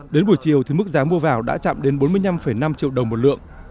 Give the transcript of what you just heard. đến buổi chiều thì mức giá mua vào đã chạm đến bốn mươi năm năm triệu đồng một lượng